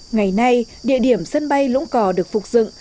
ngày nay địa điểm sân bay lũng cò được phục dựng